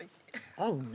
合うね。